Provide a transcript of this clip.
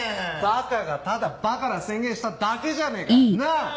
バカがただバカな宣言しただけじゃねえかなぁ？